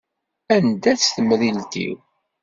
Anda-tt temrilt-iw?